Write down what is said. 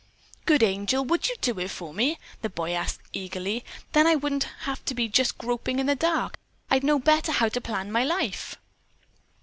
"Good angel, would you do it for me?" the boy asked eagerly. "Then I wouldn't have to be just groping in the dark. I'd know better how to plan my life."